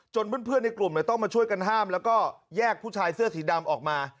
เพื่อนในกลุ่มต้องมาช่วยกันห้ามแล้วก็แยกผู้ชายเสื้อสีดำออกมา